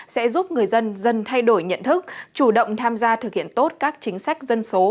sẽ giúp người dân dân thay đổi nhận thức chủ động tham gia thực hiện tốt các chính sách dân số